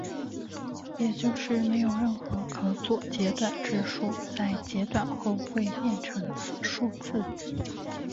也就是没有任何可左截短质数在截短后会变成此数字。